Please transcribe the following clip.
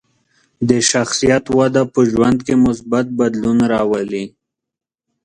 د شخصیت وده په ژوند کې مثبت بدلون راولي.